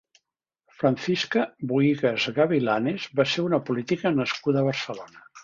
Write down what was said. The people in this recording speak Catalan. Francisca Bohigas Gavilanes va ser una política nascuda a Barcelona.